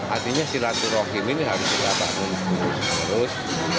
artinya silaturahim ini harus kita bangun terus terus